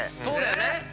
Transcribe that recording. そうだよね。